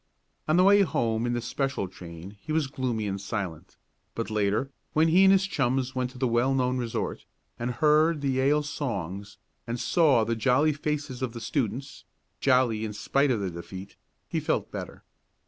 On the way home in the special train he was gloomy and silent, but later, when he and his chums went to the well known resort, and heard the Yale songs, and saw the jolly faces of the students jolly in spite of the defeat he felt better.